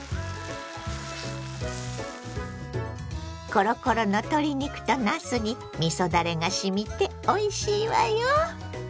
コロコロの鶏肉となすにみそだれがしみておいしいわよ。